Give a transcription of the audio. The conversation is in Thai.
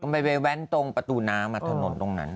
ไปแว้นตรงประตูน้ำถนนตรงนั้น